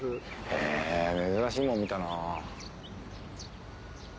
へぇ珍しいもん見たな。